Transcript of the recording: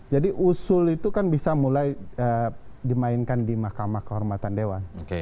jadi usul itu kan bisa mulai dimainkan di mahkamah kehormatan dewan